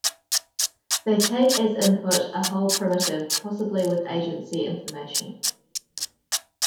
They take as input a whole primitive, possibly with adjacency information.